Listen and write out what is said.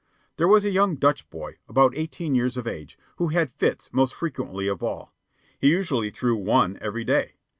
There was a young Dutch boy, about eighteen years of age, who had fits most frequently of all. He usually threw one every day.